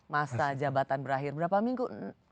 masa jabatan berakhir berapa minggu